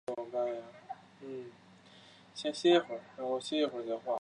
但激进派共和党人仍然在他们执政的每一个地区援用此一誓词。